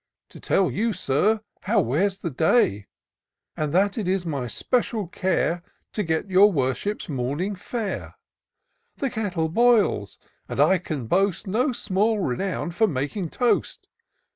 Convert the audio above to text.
" To tell you. Sir, how wears the day ; And that it is my special care To get your worship's morning fare. The kettle boils, and I can boast No small renown for making toast.